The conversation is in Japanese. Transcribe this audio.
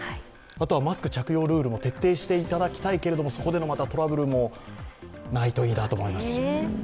あとはマスク着用ルールも徹底していただきたいけどそこでのトラブルもないといいなと思いますし。